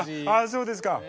そうですか！